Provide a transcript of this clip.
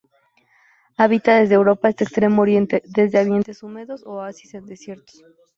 Habita desde Europa hasta Extremo Oriente, desde ambientes húmedos a oasis en desiertos.